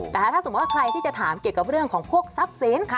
แต่ถ้าสมมุติว่าใครที่จะถามเกี่ยวกับเรื่องของพวกทรัพย์สิน